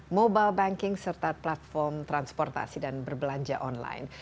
mobile banking serta platform transportasi dan berbelanja online